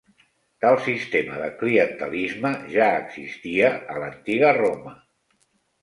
Tal sistema de clientelisme ja existia a l'antiga Roma.